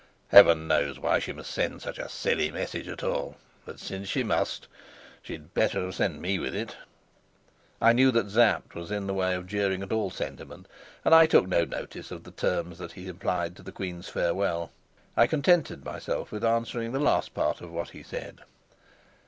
"Heaven knows why she must send such a silly message at all; but since she must, she'd better have sent me with it." I knew that Sapt was in the way of jeering at all sentiment, and I took no notice of the terms that he applied to the queen's farewell. I contented myself with answering the last part of what he said.